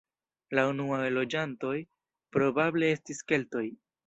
La unuaj loĝantoj probable estis keltoj.